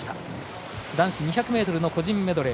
男子２００ｍの個人メドレー